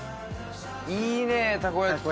いいねたこ焼き器。